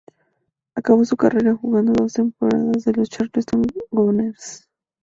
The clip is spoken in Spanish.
Acabó su carrera jugando dos temporadas en los Charleston Gunners.